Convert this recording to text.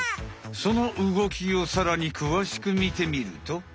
その動きをさらにくわしくみてみると。